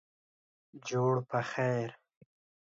جوړ پخیر